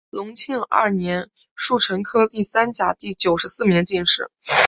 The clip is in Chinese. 隆庆二年戊辰科第三甲第九十四名进士。